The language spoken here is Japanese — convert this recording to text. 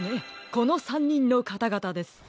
この３にんのかたがたです。